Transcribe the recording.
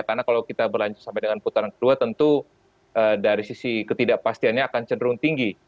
karena kalau kita berlanjut sampai dengan putaran kedua tentu dari sisi ketidakpastiannya akan cenderung tinggi